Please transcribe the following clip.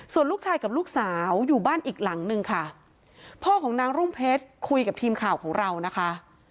ส่วนลูกชายกับลูกสาวอยู่บ้านอีกหลังนึงค่ะพ่อของนางรุ่งเพชรคุยกับทีมข่าวของเรานะคะ